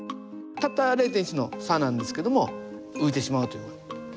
たった０．１の差なんですけども浮いてしまうという。